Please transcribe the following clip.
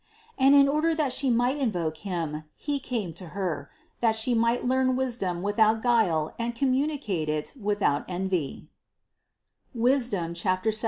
And in order that She might invoke Him, He came to Her, that She might learn wisdom with out guile and communicate it without envy (Wisdom 7, 13).